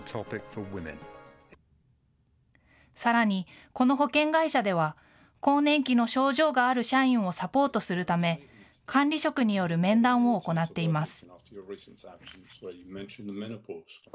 さらに、この保険会社では、更年期の症状がある社員をサポートするため、管理職による面談を行っています。